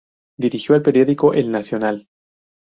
Dirigió el periódico El Nacional.